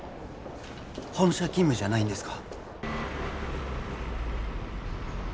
本社勤務じゃないんですか？